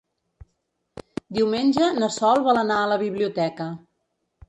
Diumenge na Sol vol anar a la biblioteca.